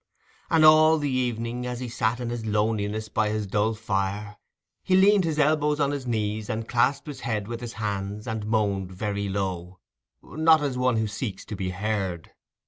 And all the evening, as he sat in his loneliness by his dull fire, he leaned his elbows on his knees, and clasped his head with his hands, and moaned very low—not as one who seeks to be heard.